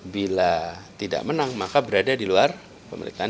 bila tidak menang maka berada di luar pemerintahan